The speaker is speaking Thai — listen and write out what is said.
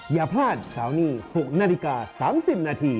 อย่าพลาดเสาร์นี้๖นาฬิกา๓๐นาที